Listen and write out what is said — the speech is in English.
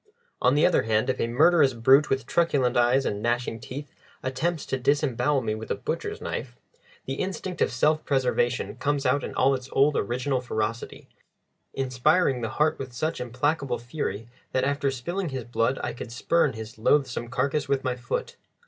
On the other hand, if a murderous brute with truculent eyes and gnashing teeth attempts to disembowel me with a butcher's knife, the instinct of self preservation comes out in all its old original ferocity, inspiring the heart with such implacable fury that after spilling his blood I could spurn his loathsome carcass with my foot.